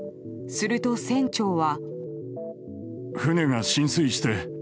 すると、船長は。